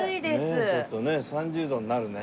ちょっとねえ３０度になるね。